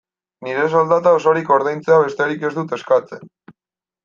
Nire soldata osorik ordaintzea besterik ez dut eskatzen.